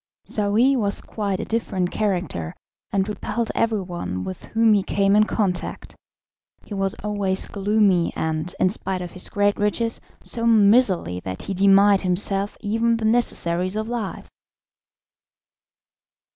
Saouy was quite a different character, and repelled everyone with whom he came in contact; he was always gloomy, and, in spite of his great riches, so miserly that he denied himself even the necessaries of life.